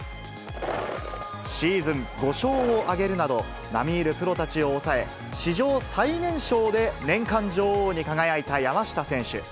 シーズン５勝を挙げるなど、並み居るプロたちを抑え、史上最年少で年間女王に輝いた山下選手。